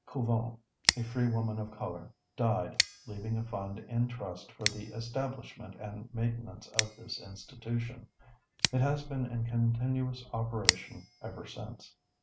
Couvent, a free woman of color, died, leaving a fund in trust for the establishment and maintenance of this institution. It has been in continuous operation ever since.